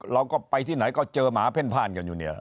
เราก็ไปที่ไหนก็เจอหมาเพ่นพ่านกันอยู่เนี่ย